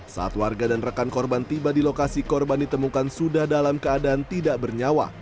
saat warga dan rekan korban tiba di lokasi korban ditemukan sudah dalam keadaan tidak bernyawa